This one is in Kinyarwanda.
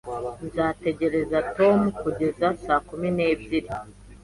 Nzategereza Tom kugeza saa kumi n'ebyiri